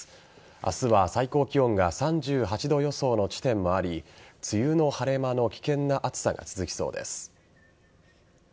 明日は最高気温が３８度予想の地点もあり梅雨の晴れ間の危険な暑さが続きそうです。